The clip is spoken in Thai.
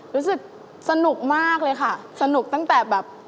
รู้สึกสนุกมากเลยค่ะสนุกตั้งแต่แบบ